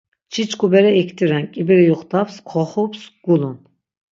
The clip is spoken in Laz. Çiçku bere iktiren; k̆ibiri yuxtaps, xoxups, gulun.